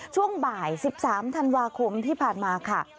ช่วงบ่าย๑๓ธันวาคมที่ผ่านมาค่ะ